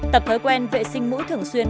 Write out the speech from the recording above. tập thói quen vệ sinh mũi thường xuyên